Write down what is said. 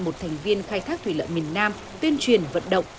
một thành viên khai thác thủy lợi miền nam tuyên truyền vận động